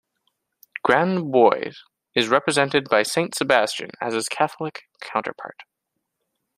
Grand Bois is represented by Saint Sebastian as his Catholic counterpart.